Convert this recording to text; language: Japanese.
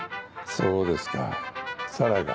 そうですか紗良が。